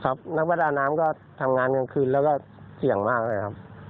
นักประดาน้ำก็ทำงานกลางคืนแล้วก็เสี่ยงมากเลยครับ